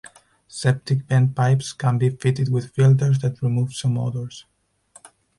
Septic vent pipes can be fitted with filters that remove some odors.